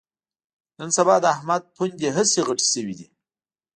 نن سبا د احمد پوندې هسې غټې شوې دي